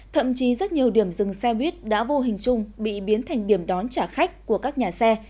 thậm chí rất nhiều điểm dừng xe buýt đã vô hình chung bị biến thành điểm đón trả khách của các nhà xe